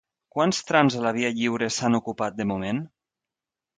Quants trams de la Via Lliure s'han ocupat de moment?